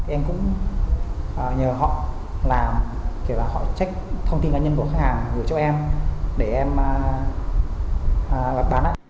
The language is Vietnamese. em cũng nhờ họ làm kể là họ check thông tin cá nhân của khách hàng gửi cho em để em và bán